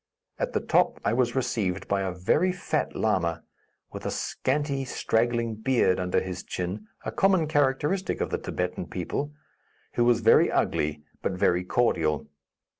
At the top, I was received by a very fat lama, with a scanty, straggling beard under his chin a common characteristic of the Thibetan people who was very ugly, but very cordial.